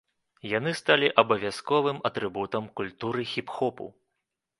Яны сталі абавязковым атрыбутам культуры хіп-хопу.